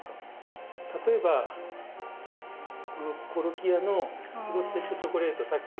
例えばこのコロキアのフロステッドチョコレートさっきの。